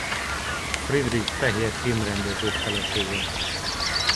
Friedrich Fehér filmrendező felesége.